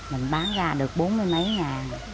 mình bán ra được bốn mươi mấy ngàn